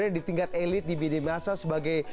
di tingkat elit di media masa sebagai